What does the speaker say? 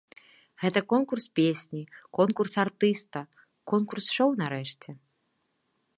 Гэта конкурс песні, конкурс артыста, конкурс шоу, нарэшце.